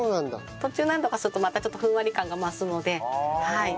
途中何度かするとまたちょっとふんわり感が増すので。